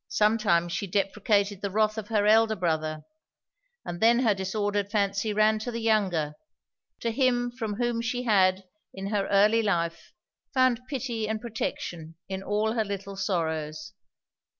Sometimes she deprecated the wrath of her elder brother: and then her disordered fancy ran to the younger; to him from whom she had, in her early life, found pity and protection in all her little sorrows.